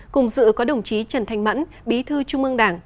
cùng dự có đồng chí trần thanh mẫn bí thư trung ương đảng